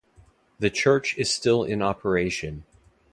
The church is still in operation.